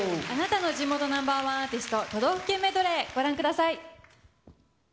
あなたの地元ナンバー１アーティスト都道府県メドレー、ご覧ください。